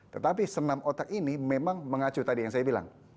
tetapi senam otak ini memang mengacu tadi yang saya bilang